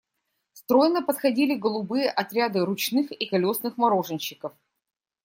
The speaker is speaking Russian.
Стройно подходили голубые отряды ручных и колесных мороженщиков.